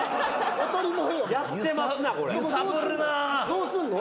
どうすんの？